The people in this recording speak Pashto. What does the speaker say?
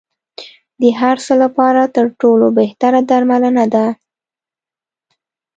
د هر څه لپاره تر ټولو بهتره درملنه ده.